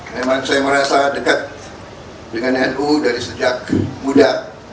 memang saya merasa dekat dengan nu dari sejak muda